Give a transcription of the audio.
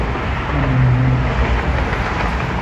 มันมีอะไรต้องกลัว